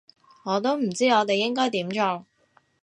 我都唔知我哋應該點做